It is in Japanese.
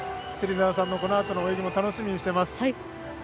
芹澤さんのこのあとの泳ぎも楽しみにしています。